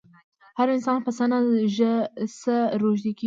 هر انسان په څه نه څه روږدی کېږي.